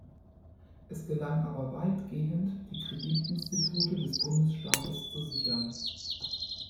Es gelang aber weitgehend, die Kreditinstitute des Bundesstaates zu sichern.